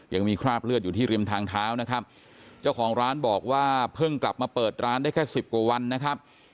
ยังมีคราบเลือดอยู่ที่ริมทางเท้านะครับเจ้าของร้านบอกว่าเพิ่งกลับมาเปิดร้านได้แค่สิบกว่าวันนะครับ